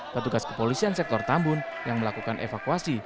petugas kepolisian sektor tambun yang melakukan evakuasi